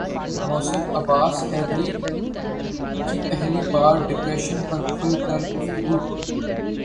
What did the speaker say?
محسن عباس حیدر کی پہلی بار ڈپریشن پر کھل کر گفتگو